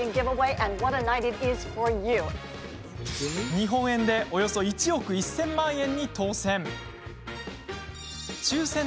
日本円で、およそ１億１０００万円に当せん！